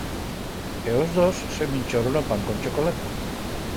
E os dos se minchoron o pan con chocolat.